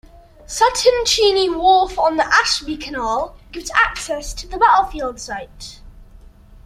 Sutton Cheney Wharf on the Ashby Canal gives access to the battlefield site.